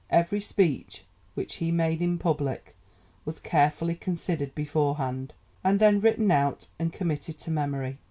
Every speech which he made in public was carefully considered beforehand, and then written out and committed to memory.